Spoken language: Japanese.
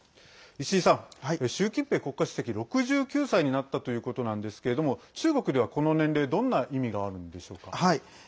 石井さん習近平国家主席、６９歳になったということなんですけれども中国では、この年齢どんな意味があるんでしょうか。